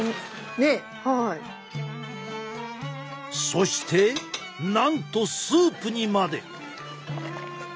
そしてなんとスープにまで。